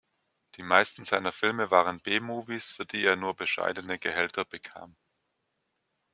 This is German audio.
Die meisten seiner Filme waren B-Movies, für die er nur bescheidene Gehälter bekam.